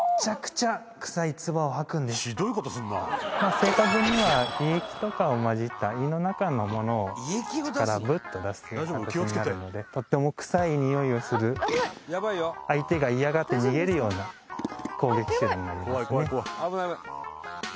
正確には胃液とかまじった胃の中のものを口からブッと出すっていう形になるのでとっても臭いにおいのする相手が嫌がって逃げるような攻撃臭になりますね